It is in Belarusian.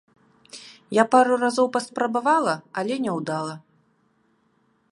Я пару разоў паспрабавала, але няўдала.